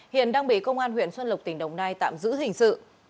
hiện đang bị công an huyện xuân lộc tỉnh đồng nai tạm giữ hình sự